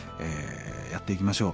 やっていきましょう。